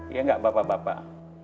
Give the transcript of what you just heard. iya gak bapak bapak